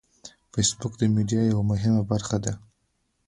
فېسبوک د میډیا یوه مهمه برخه ده